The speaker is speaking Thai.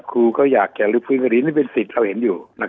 ครูเขาอยากแกลลึกพฤษฎีเนี่ยเป็นสิทธิ์เราเห็นอยู่นะครับ